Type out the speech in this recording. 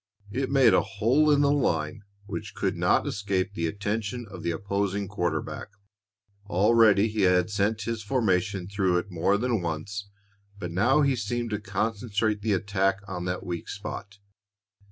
It made a hole in the line which could not escape the attention of the opposing quarter back. Already he had sent his formation through it more than once, but now he seemed to concentrate the attack on that weak spot.